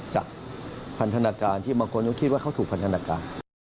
ที่บางคนที่เริ่มคิดว่าเขาถูกพันธนการ